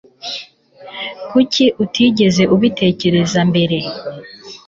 Kuki utigeze ubitekereza mbere